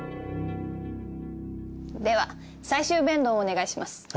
では最終弁論をお願いします。